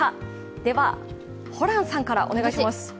では、ホランさんからお願いします